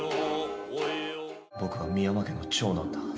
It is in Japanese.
「僕は深山家の長男だ」